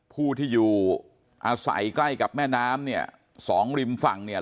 ผู้ที่อยู่อาศัยใกล้กับแม่น้ำเนี่ยสองริมฝั่งเนี่ย